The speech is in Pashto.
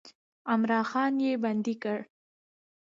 عمرا خان یې بندي کړ.